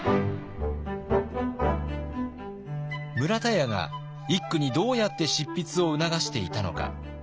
村田屋が一九にどうやって執筆を促していたのか。